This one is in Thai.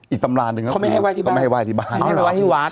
อีกตำราหนึ่งก็ไม่ให้ไหว้ที่บ้านให้ไหว้ที่วัด